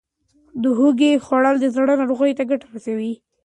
د هوږې خوړل د زړه ناروغیو ته ګټه رسوي.